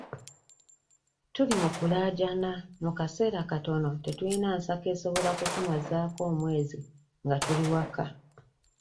Tuli mu kulaajana mu kaseera kano tetuyina nsako esobola okutumazaako omwezi nga tuli waka.